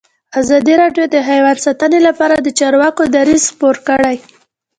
ازادي راډیو د حیوان ساتنه لپاره د چارواکو دریځ خپور کړی.